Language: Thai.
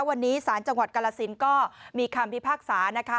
วันนี้สารจังหวัดกระศิลป์ก็มีคำที่ภาคสารนะคะ